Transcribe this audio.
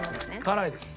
辛いです。